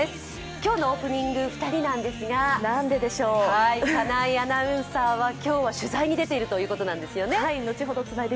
今日のオープンニング２人なんですが、金井アナウンサーは、今日は取材に出ているということなんですね。